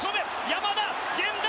山田源田。